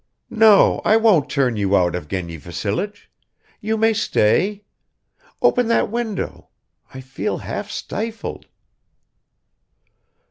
"No, I won't turn you out, Evgeny Vassilich. You may stay. Open that window ... I feel half stifled."